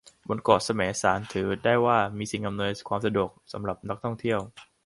บนเกาะแสมสารถือได้ว่ามีสิ่งอำนวยความสะดวกสำหรับนักท่องเที่ยว